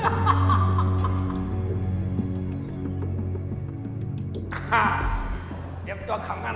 หมูโถ่เห็นหมูโถ่เห็นลนมากขึ้น